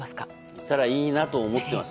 いたらいいなと思ってます。